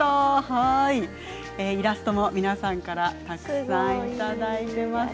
イラストも皆さんからたくさんいただいています。